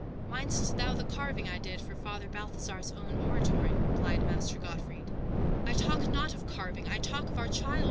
"Mind'st thou the carving I did for Father Balthazar's own oratory?" replied Master Gottfried. "I talk not of carving! I talk of our child!"